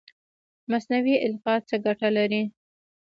مصنوعي القاح څه ګټه لري؟